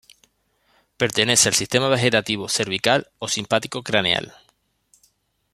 Pertenece al sistema vegetativo cervical ó simpático craneal.